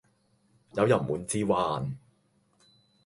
有人滿之患